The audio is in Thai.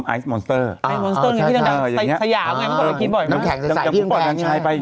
ไอฟ์มอนสเตอร์ที่ทางสยาวไงมันกินบ่อยน้ำแข็งใส่ที่น้ำแข็ง